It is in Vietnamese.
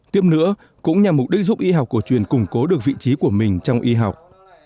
tiếp nữa cũng nhằm mục đích giúp y học cổ truyền củng cố được vị trí của mình trong y học